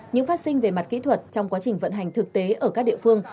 những phát sinh về mặt kỹ thuật trong quá trình vận hành thực tế ở các địa phương